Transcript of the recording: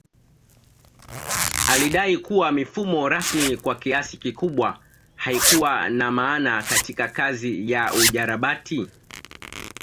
Alidai kuwa mifumo rasmi kwa kiasi kikubwa haikuwa na maana katika kazi ya ujarabati